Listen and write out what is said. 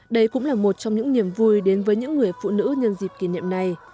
đây cũng là một trong những niềm vui đến với những người phụ nữ nhân dịp kỷ niệm này